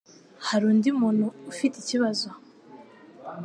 Hari undi muntu ufite ikibazo?